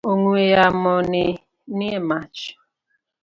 Ong’we yamo ni e mach.